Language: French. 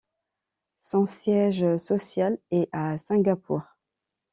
Son siège social est à Singapour.